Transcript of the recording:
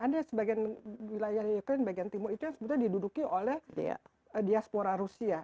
ada sebagian wilayah di ukraine bagian timur itu yang sebetulnya diduduki oleh diaspora rusia